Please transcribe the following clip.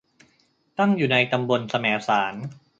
ตั้งอยู่ในตำบลแสมสาร